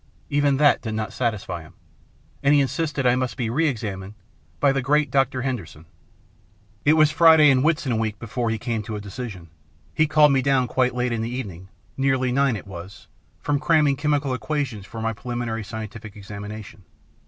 Even that did not satisfy him, and he insisted I must be re examined by the great Doctor Hender son. It was Friday in Whitsun week before he 52 THE PLATTNER STORY AND OTHERS came to a decision. He called me down, quite late in the evening, nearly nine it was, from cramming chemical equations for my Preliminary Scientific examination.